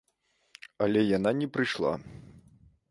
Але яна не прыйшла.